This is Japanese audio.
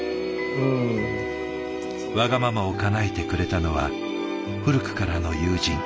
わがままをかなえてくれたのは古くからの友人。